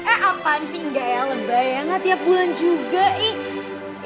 eh apaan sih enggak ya lebayang lah tiap bulan juga ii